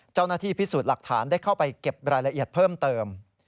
เจ้าหน้าที่พิสูจน์หลักฐานได้เข้าไปเก็บรายละเอียดเพิ่มเติม